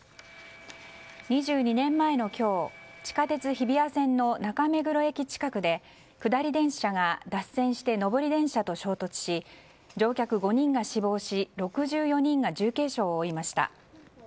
２２年前の今日地下鉄日比谷線の中目黒駅近くで下り電車が脱線して上り電車と衝突し乗客５人が死亡し６４人が重軽傷を負いました。